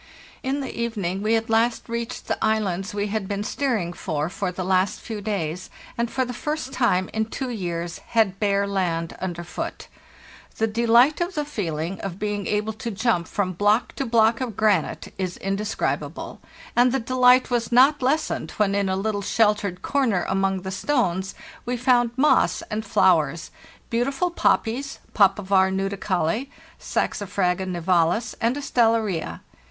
"In the evening we at last reached the islands we had been steering for for the last few days, and for the first time for two years had bare land under foot. The g¢ of being able to jump from block cq delight of the feelin to block of granite* is indescribable, and the delight was not lessened when in a little sheltered corner among the stones we found moss and flowers, beautiful poppies (Papaver nudicaule) Saxifraga nivalis, and a Stellaria (sf.